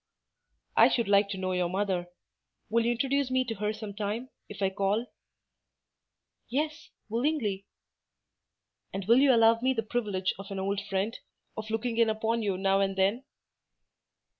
"I should like to know your mother. Will you introduce me to her some time, if I call?" "Yes, willingly." "And will you allow me the privilege of an old friend, of looking in upon you now and then?"